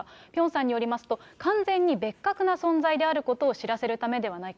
ピョンさんによりますと、完全に別格な存在であることを知らせるためではないか。